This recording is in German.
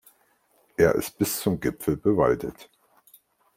Er ist bis zum Gipfel bewaldet.